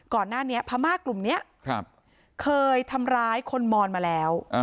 ก่อนหน้านี้พม่ากลุ่มนี้เคยทำร้ายคนมอนมาแล้ว